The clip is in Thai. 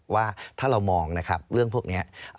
ว่าถ้าเรามองเรื่องพวกนี้